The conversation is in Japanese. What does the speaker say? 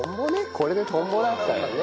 これでトンボだったんだね。